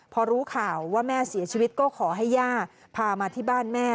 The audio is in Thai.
พอรู้ข่าวว่าแม่เสียชีวิตก็ขอให้ย่าพามาที่บ้านแม่